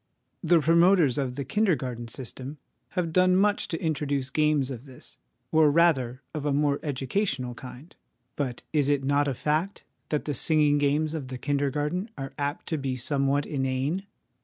The promoters of the kindergarten system have done much to introduce games of this, or rather of a more educational kind ; but is it not a fact that the singing games of the kindergarten are apt to be somewhat inane?